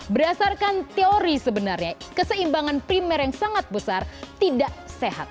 berdasarkan teori sebenarnya keseimbangan primer yang sangat besar tidak sehat